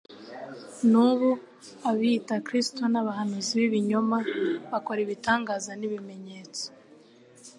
N'ubu abiyita Kristo n'abahanuzi b'ibinyoma bakora ibitangaza n'ibimenyetso